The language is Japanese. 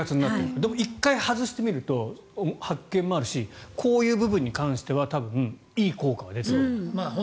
でも１回外してみると発見もあるしこういう部分に関しては多分、いい効果が出てくる。